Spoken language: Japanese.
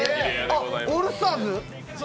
あっ、オールスターズ？